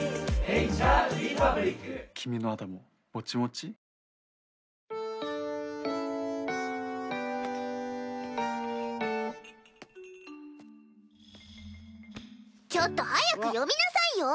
ちょっと早く読みなさいよ！